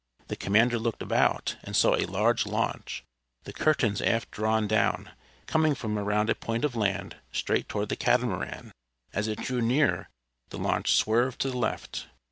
The commander looked about, and saw a large launch, the curtains aft drawn down, coming from around a point of land straight toward the catamaran. As it drew near the launch swerved to the left.